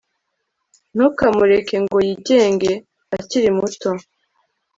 ntukamureke ngo yigenge akiri muto